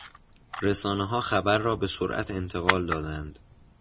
رسانهها خبر را به سرعت انتقال دادند.